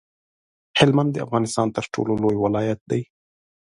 هلمند د افغانستان تر ټولو لوی ولایت دی.